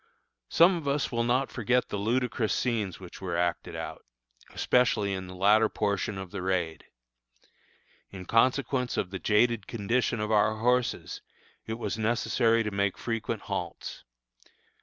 Some of us will not soon forget the ludicrous scenes which were acted out, especially in the latter portion of the raid. In consequence of the jaded condition of our horses it was necessary to make frequent halts.